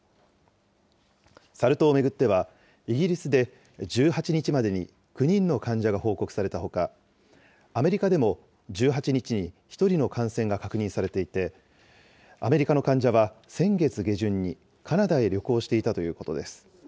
サル痘を巡っては、イギリスで１８日までに９人の患者が報告されたほか、アメリカでも１８日に１人の感染が確認されていて、アメリカの患者は、先月下旬にカナダへ旅行していたということです。